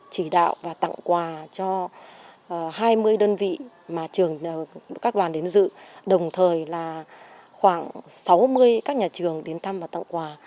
chỉ đạo và tặng quà cho hai mươi đơn vị mà các đoàn đến dự đồng thời là khoảng sáu mươi các nhà trường đến thăm và tặng quà